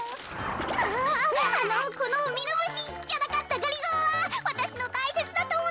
あっあのこのミノムシじゃなかったがりぞーはわたしのたいせつなともだちなの。